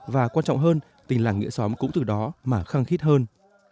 và quan trọng hơn tình làng nghĩa xóm cũng từ đó mà khăng khít hơn